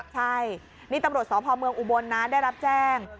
ใช่นี่ตำรวจสพเมืองอุบลนะได้รับแจ้ง